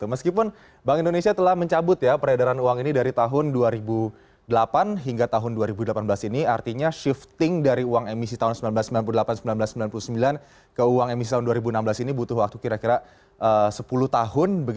meskipun bank indonesia telah mencabut ya peredaran uang ini dari tahun dua ribu delapan hingga tahun dua ribu delapan belas ini artinya shifting dari uang emisi tahun seribu sembilan ratus sembilan puluh delapan seribu sembilan ratus sembilan puluh sembilan ke uang emisi tahun dua ribu enam belas ini butuh waktu kira kira sepuluh tahun